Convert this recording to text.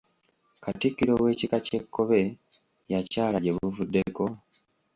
Katikkiro w’ekika ky’ekkobe yakyala gye buvuddeko?